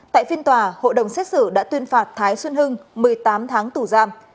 tại phiên tòa hội đồng xét xử đã tuyên phạt thái xuân hưng một mươi tám tháng tù giam